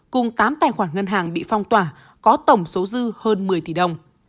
cùng tám tài khoản ngân hàng bị phong tỏa có tổng số dư hơn một mươi tỷ đồng